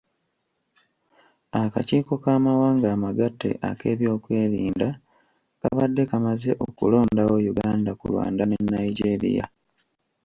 Akakiiko k'amawanga amagatte ak'ebyokwerinda kabadde kamaze okulondawo Uganda ku Rwanda ne Nigeria.